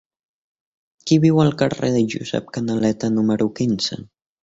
Qui viu al carrer de Josep Canaleta número quinze?